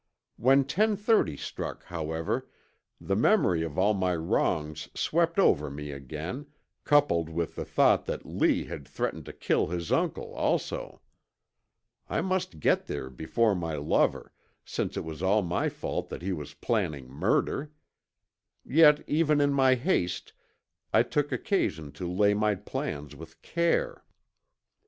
When ten thirty struck, however, the memory of all my wrongs swept over me again, coupled with the thought that Lee had threatened to kill his uncle, also. I must get there before my lover, since it was all my fault that he was planning murder. Yet even in my haste I took occasion to lay my plans with care.